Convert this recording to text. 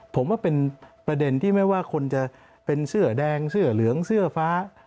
ผมว่าเป็นประเด็นที่ไม่ว่าคนจะเป็นเสื้อแดงเสื้อเหลืองเสื้อฟ้า